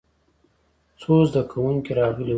څو زده کوونکي راغلي وو.